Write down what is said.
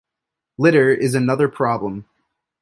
Litter is another problem.